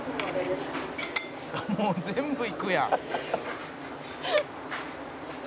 「もう全部いくやん」